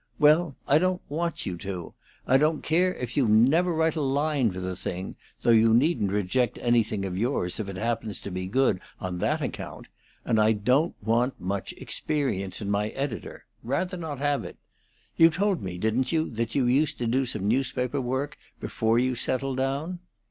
Well, I don't want you to. I don't care if you never write a line for the thing, though you needn't reject anything of yours, if it happens to be good, on that account. And I don't want much experience in my editor; rather not have it. You told me, didn't you, that you used to do some newspaper work before you settled down?"